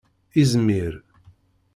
Izmir.